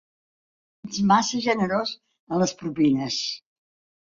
Ets massa generós en les propines.